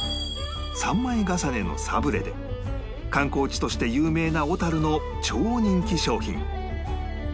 ３枚重ねのサブレで観光地として有名な小樽の超人気商品